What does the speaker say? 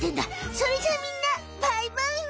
それじゃみんなバイバイむ！